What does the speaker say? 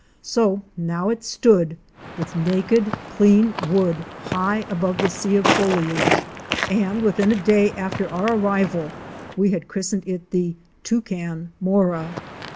So now it stood with naked, clean wood high above the sea of foliage, and within a day after our arrival we had christened it the Toucan Mora.